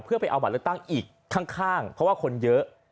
เพื่อไปเอาบัตรเลือกตั้งอีกข้างเพราะว่าคนเยอะ